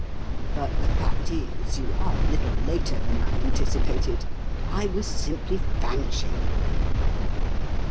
"But the fact is you are a little later than I anticipated; and I was simply famishing."